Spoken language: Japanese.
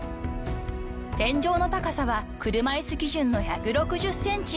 ［天井の高さは車いす基準の１６０ｃｍ］